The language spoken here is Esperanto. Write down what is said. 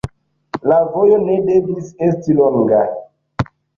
La vojo ne devis esti longa.